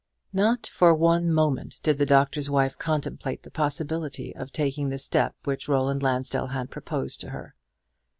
Not for one moment did the Doctor's Wife contemplate the possibility of taking the step which Roland Lansdell had proposed to her.